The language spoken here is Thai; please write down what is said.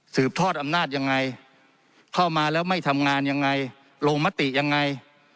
ทอดอำนาจยังไงเข้ามาแล้วไม่ทำงานยังไงลงมติยังไง